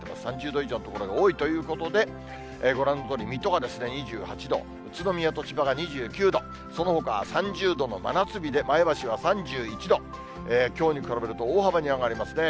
３０度以上の所が多いということで、ご覧のとおり、水戸が２８度、宇都宮と千葉が２９度、そのほかは３０度の真夏日で、前橋は３１度、きょうに比べると大幅に上がりますね。